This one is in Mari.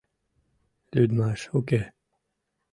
— Лӱдмаш уке.